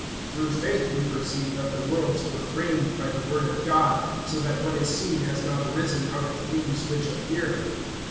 (3)Through faith we perceive that the worlds were framed by the word of God, so that what is seen has not arisen[11:3] out of things which appear.